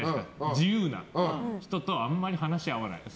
自由な人とはあまり話が合わない。